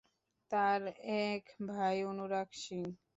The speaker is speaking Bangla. তার এক ভাই অনুরাগ সিং।